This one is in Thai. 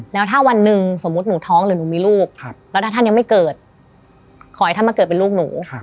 แล้วถ้าวันหนึ่งสมมุติหนูท้องหรือหนูมีลูกแล้วถ้าท่านยังไม่เกิดขอให้ท่านมาเกิดเป็นลูกหนู